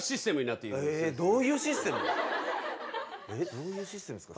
どういうシステムですか？